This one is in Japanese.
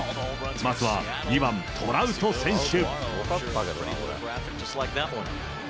まずは、２番トラウト選手。